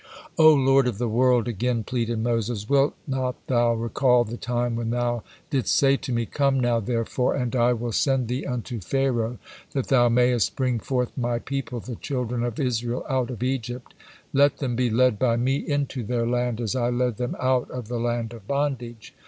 '" "O Lord of the world!" again pleaded Moses, "Wilt not Thou recall the time when thou didst say to me, 'Come now, therefore, and I will send thee unto Pharaoh, that thou mayest bring forth My people the children of Israel out of Egypt.' Let them be led by me into their land as I led them out of the land of bondage."